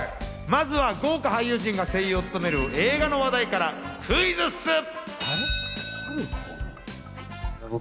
まずは豪華俳優陣が声優を務める映画の話題からクイズッス！